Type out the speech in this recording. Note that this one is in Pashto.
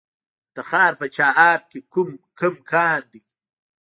د تخار په چاه اب کې کوم کان دی؟